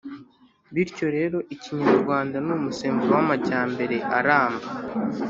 Bityo rero, Ikinyarwanda ni umusemburo w’amajyambere aramba